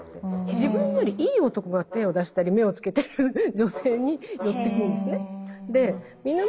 自分よりいい男が手を出したり目をつけてる女性に寄ってくんですね。